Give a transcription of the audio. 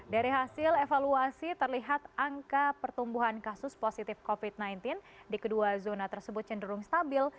dari hasil evaluasi terlihat angka pertumbuhan kasus positif covid sembilan belas di kedua zona tersebut cenderung stabil